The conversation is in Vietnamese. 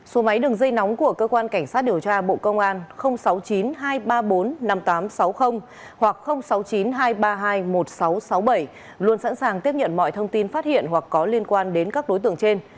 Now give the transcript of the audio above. số máy đường dây nóng của cơ quan cảnh sát điều tra bộ công an sáu mươi chín hai trăm ba mươi bốn năm nghìn tám trăm sáu mươi hoặc sáu mươi chín hai trăm ba mươi hai một nghìn sáu trăm sáu mươi bảy luôn sẵn sàng tiếp nhận mọi thông tin phát hiện hoặc có liên quan đến các đối tượng trên